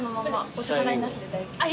お支払いなしで大丈夫です。